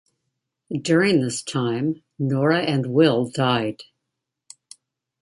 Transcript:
During this time, Nora and Will died.